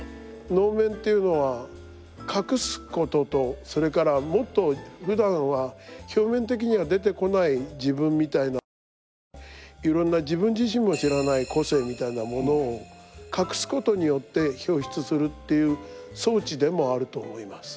能面というのは隠すこととそれからもっとふだんは表面的には出てこない自分みたいなものとかいろんな自分自身も知らない個性みたいなものを隠すことによって表出するっていう装置でもあると思います。